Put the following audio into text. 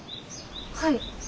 はい。